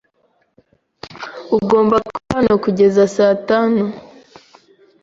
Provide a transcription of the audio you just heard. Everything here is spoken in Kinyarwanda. Ugomba kuba hano kugeza saa tanu.